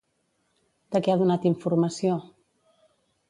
De què ha donat informació?